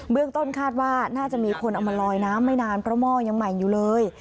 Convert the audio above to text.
เรื่องต้นคาดว่าน่าจะมีคนเอามาลอยน้ำไม่นานเพราะหม้อยังใหม่อยู่เลย